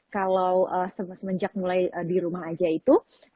kalau semenjak mulai di rumah aja itu